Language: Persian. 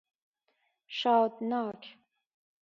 شادناک